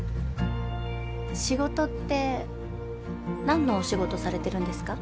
仕事って何のお仕事されてるんですか？